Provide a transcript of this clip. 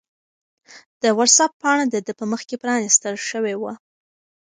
د وټس-اپ پاڼه د ده په مخ کې پرانستل شوې وه.